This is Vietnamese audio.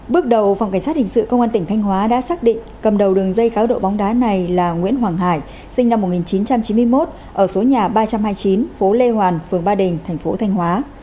bước đầu phòng cảnh sát hình sự công an tỉnh thanh hóa đã xác định cầm đầu đường dây cá độ bóng đá này là nguyễn hoàng hải sinh năm một nghìn chín trăm chín mươi một ở số nhà ba trăm hai mươi chín phố lê hoàn phường ba đình thành phố thanh hóa